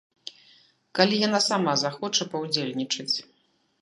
Калі яна сама захоча паўдзельнічаць.